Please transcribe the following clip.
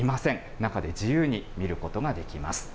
中で自由に見ることができます。